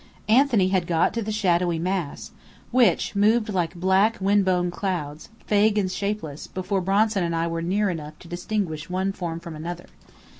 Anthony had got to the shadowy mass, which, moved like black, wind blown clouds, vague and shapeless, before Bronson and I were near enough to distinguish one form from another.